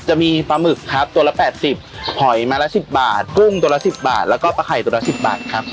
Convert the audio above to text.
จะมีปลาหมึกครับตัวละ๘๐หอยมาละ๑๐บาทกุ้งตัวละ๑๐บาทแล้วก็ปลาไข่ตัวละ๑๐บาทครับ